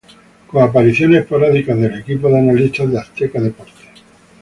Con apariciones esporádicas del equipo de analistas de azteca deportes.